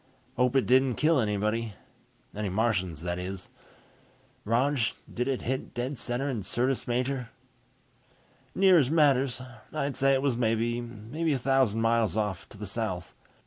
"Hope it didn't kill anybody. Any Martians, that is. Rog, did it hit dead center in Syrtis Major?" "Near as matters. I'd say it was maybe a thousand miles off, to the south.